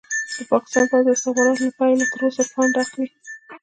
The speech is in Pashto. د پاکستان پوځ او استخبارات له پيله تر اوسه فنډ اخلي.